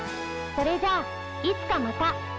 それじゃあいつかまた。